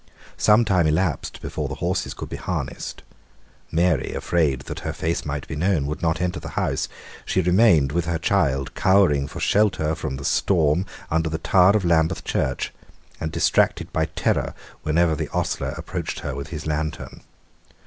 Some time elapsed before the horses could be harnessed. Mary, afraid that her face might be known, would not enter the house. She remained with her child, cowering for shelter from the storm under the tower of Lambeth Church, and distracted by terror whenever the ostler approached her with his lantern.